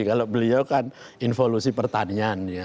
kalau beliau kan involusi pertanian ya